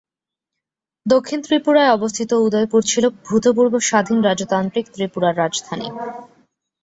দক্ষিণ ত্রিপুরায় অবস্থিত উদয়পুর ছিল ভূতপূর্ব স্বাধীন রাজতান্ত্রিক ত্রিপুরার রাজধানী।